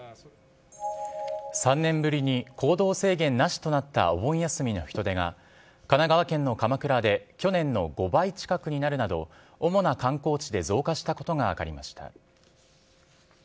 ３年ぶりに行動制限なしとなったお盆休みの人出が神奈川県の鎌倉で去年の５倍近くになるなど主な観光地で増加したことが分かりました。